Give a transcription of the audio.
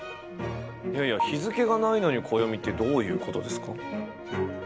いやいや日付がないのに暦ってどういうことですか？